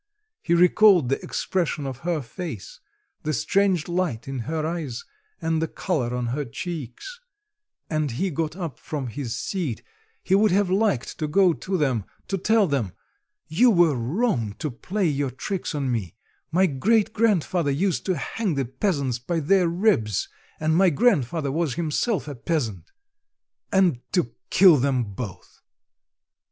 He recalled the expression of her face, the strange light in her eyes, and the colour on her cheeks and he got up from his seat, he would have liked to go to them, to tell them: "You were wrong to play your tricks on me; my great grandfather used to hang the peasants up by their ribs, and my grandfather was himself a peasant," and to kill them both.